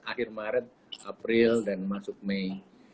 akhir maret april dan masuk mei